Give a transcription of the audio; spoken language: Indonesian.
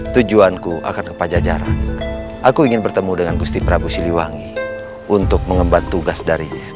tujuanku akan kepajajaran aku ingin bertemu dengan gusti prabu siliwangi untuk mengemban tugas darinya